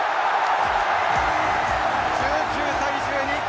１９対１２！